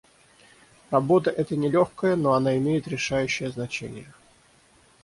Работа эта нелегкая, но она имеет решающее значение.